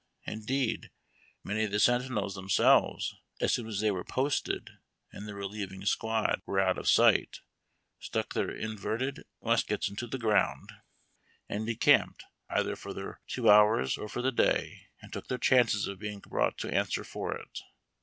Indeed, many of the sentinels themselves, as soon as they were })Osted and the relieving squad were out of sight, stuck their inverted nuiskets into the ground and 212 HARD TACK AND COFFEE. decamped, either for their two hours or for the day, and took their chances of being brought to answer for it.